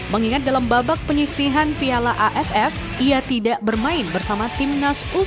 mengingat dalam babak penyisihan piala aff ia tidak bermain bersama timnas u sembilan belas